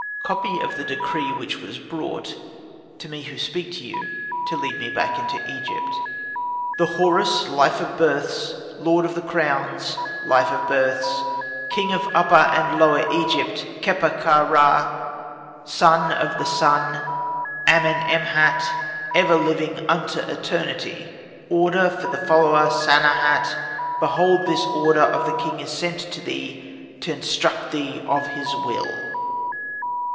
Copy of the decree which was brought to me who speak to you to lead me back into Egypt. "The Horus, life of births, lord of the crowns, life of births, king of Upper and Lower Egypt, Kheper ka ra, son of the Sun, Amen em hat, ever living unto eternity. Order for the follower Sanehat. Behold this order of the king is sent to thee to instruct thee of his will.